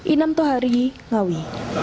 inam tohari ngawi